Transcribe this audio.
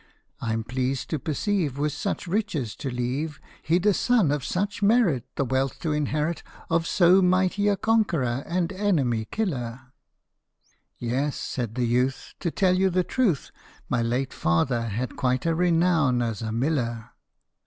I 'm pleased to perceive, With such riches to leave, He 'd a son of such merit The wealth to inherit Of so mighty a conqueror and enemy killer." " Yes," said the youth, " To tell you the truth, My late father had quite a renown as a miller."